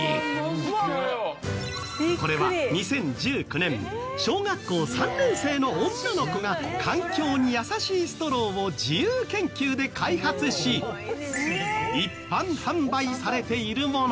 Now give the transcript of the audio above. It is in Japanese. これは２０１９年小学校３年生の女の子が環境に優しいストローを自由研究で開発し一般販売されているもの。